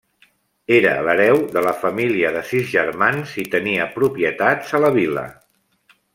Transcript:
Era l'hereu de la família de sis germans i tenia propietats a la vila.